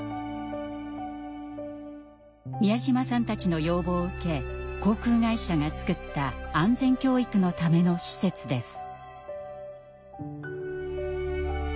美谷島さんたちの要望を受け航空会社が作った安全教育のための施設です。